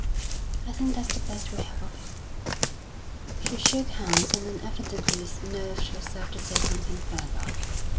"I think that's the best we have of him." She shook hands, and then evidently nerved herself to say something further.